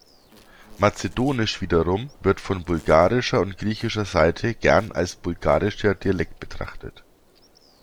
Mazedonisch wiederum wird von bulgarischer und griechischer Seite gern als bulgarischer Dialekt betrachtet.